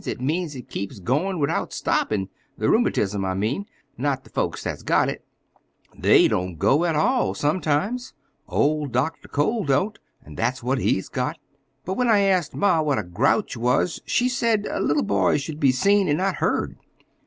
It means it keeps goin' without stoppin'—the rheumatism, I mean, not the folks that's got it. they don't go at all, sometimes. Old Dr. Cole don't, and that's what he's got. But when I asked ma what a grouch was, she said little boys should be seen and not heard.